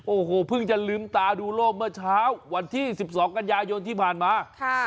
โอ้โหเพิ่งจะลืมตาดูโลกเมื่อเช้าวันที่๑๒กันยายนที่ผ่านมา